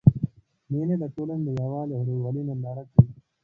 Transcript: مېلې د ټولني د یووالي او ورورولۍ ننداره کوي.